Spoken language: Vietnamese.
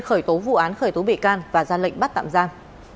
khởi tố vụ án khởi tố bị can và ra lệnh bắt tạm giam